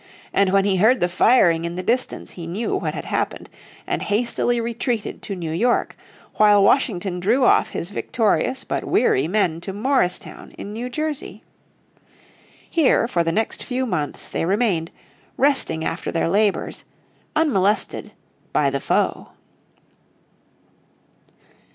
And when he heard the firing in the distance he knew what had happened, and hastily retreated to New York, while Washington drew off his victorious but weary men to Morristown in New Jersey. Here for the next few months they remained, resting after their labours, unmolested by the foe.